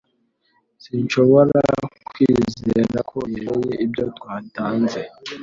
Sinshobora kwizera ko yemeye ibyo twatanze